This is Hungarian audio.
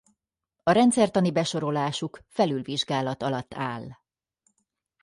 A rendszertani besorolásuk felülvizsgálat alatt áll.